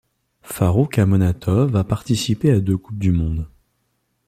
Farroukh Amonatov a participé à deux coupes du monde.